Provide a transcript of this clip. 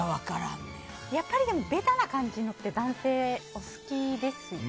やっぱりベタな感じのって男性、お好きですよね。